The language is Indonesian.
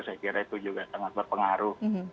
saya kira itu juga sangat berpengaruh